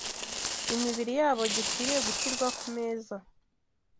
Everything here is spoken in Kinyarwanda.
imibiri yabo gikwiriye gushyirwa ku meza.